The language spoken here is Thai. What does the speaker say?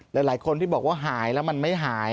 หลายคนที่บอกว่าหายแล้วมันไม่หาย